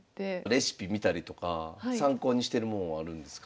レシピ見たりとか参考にしてるもんはあるんですか？